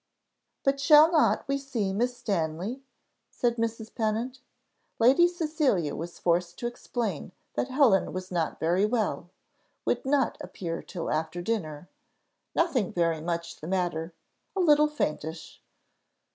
"But shall not we see Miss Stanley?" said Mrs. Pennant. Lady Cecilia was forced to explain that Helen was not very well, would not appear till after dinner nothing very much the matter a little faintish.